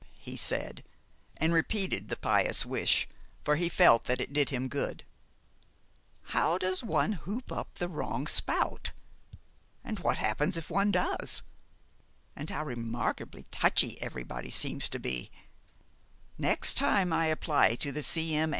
he said, and repeated the pious wish, for he felt that it did him good, "how does one whoop up the wrong spout? And what happens if one does? And how remarkably touchy everybody seems to be. Next time I apply to the C.M.